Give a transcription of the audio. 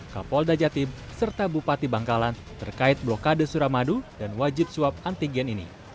kapolda jatim serta bupati bangkalan terkait blokade suramadu dan wajib swab antigen ini